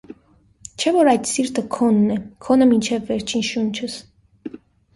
չէ՞ որ այդ սիրտը քոնն է, քոնը մինչև վերջին շունչս…